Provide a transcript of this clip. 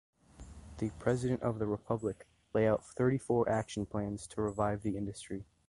The President of the Republic lay out thirty-four action plans to revive the industry.